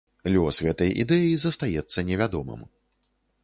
Лёс гэтай ідэі застаецца невядомым.